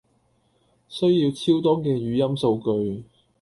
需要超多嘅語音數據